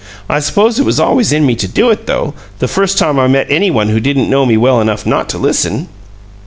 I suppose it was always in me to do it, though, the first time I met any one who didn't know me well enough not to listen."